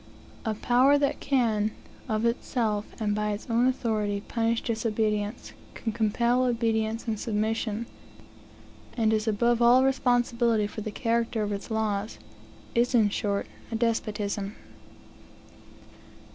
A power that can, of itself, and by its own authority, punish disobedience, can compel obedience and submission, and is above all responsibility for the character of its laws. In short, it is a despotism.